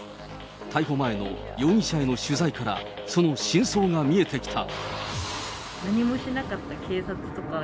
逮捕前の容疑者への取材から、その真相が見えてきた。